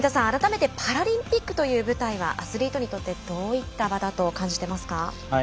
改めてパラリンピックという舞台はアスリートにとってどういった場だとはい。